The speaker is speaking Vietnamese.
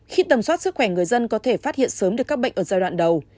khi tầm soát sức khỏe người dân có thể phát hiện sớm được các bệnh ở giai đoạn đầu